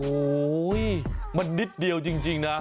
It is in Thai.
โอ้โหมันนิดเดียวจริงนะ